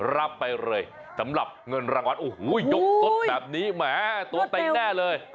รับไปเลยสำหรับเงินรางวัลโอ้โหยกสดแบบนี้แหมตัวเต็งแน่เลย